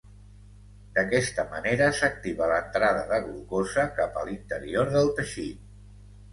D'aquesta manera s'activa l'entrada de glucosa cap a l'interior del teixit.